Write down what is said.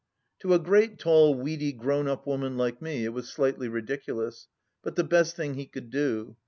" To a great tall weedy grown up woman like me it was slightly ridiculous, but the best thing he could do.